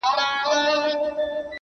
هغه چي نيم بدن يې سرو باروتو لولپه کړ_